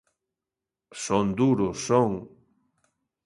Son duros, son.